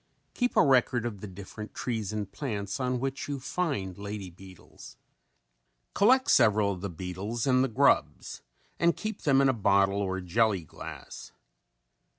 Keep a record of the different trees and plants on which you find lady beetles. Collect several of the beetles and the grubs and keep them in a bottle or jelly glass.